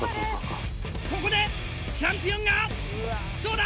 ここでチャンピオンがどうだ？